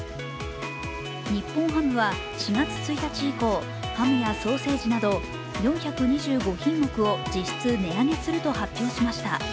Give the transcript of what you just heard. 日本ハムは４月１日以降、ハムやソーセージなど４２５品目を実質、値上げすると発表しました。